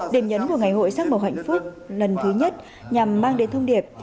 điểm nhấn của ngày hội sắc màu hạnh phúc lần thứ nhất nhằm mang đến thông điệp